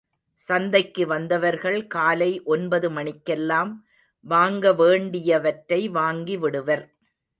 சந்தைக்கு வந்தவர்கள் காலை ஒன்பது மணிக்கெல்லாம் வாங்க வேண்டியவற்றை வாங்கிவிடுவர்.